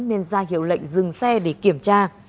nên ra hiệu lệnh dừng xe để kiểm tra